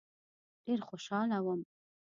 ډېر خوشاله وم.